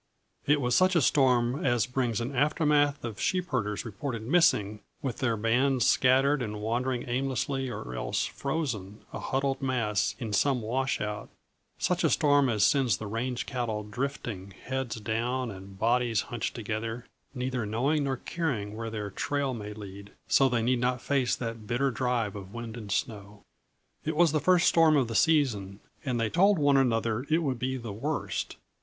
It was such a storm as brings an aftermath of sheepherders reported missing with their bands scattered and wandering aimlessly or else frozen, a huddled mass, in some washout; such a storm as sends the range cattle drifting, heads down and bodies hunched together, neither knowing nor caring where their trail may end, so they need not face that bitter drive of wind and snow. It was the first storm of the season, and they told one another it would be the worst.